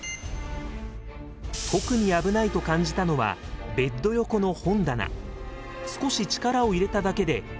特に危ないと感じたのはベッド横の本棚。